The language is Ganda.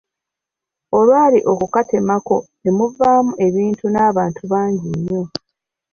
Olwali okukatemako ne muvamu ebintu n’abantu bangi nnyo.